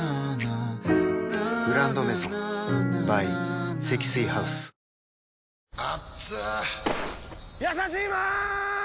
「グランドメゾン」ｂｙ 積水ハウスやさしいマーン！！